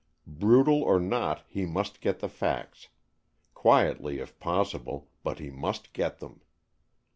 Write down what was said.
Brutal or not, he must get the facts, quietly if possible, but he must get them.